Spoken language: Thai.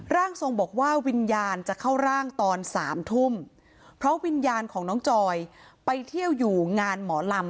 ร่างทรงบอกว่าวิญญาณจะเข้าร่างตอน๓ทุ่มเพราะวิญญาณของน้องจอยไปเที่ยวอยู่งานหมอลำ